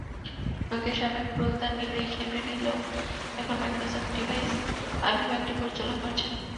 নকিয়ার সাবেক প্রধান নির্বাহী স্টিফেন ইলোপ এখন মাইক্রোসফট ডিভাইস বিভাগটি পরিচালনা করছেন।